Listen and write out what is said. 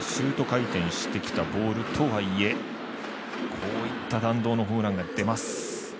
シュート回転してきたボールとはいえこういった弾道のホームランが出ます。